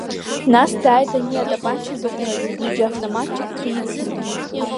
Нас дааит ани атапанча зыҟәныз ҩыџьа автоматчикцәа ицны.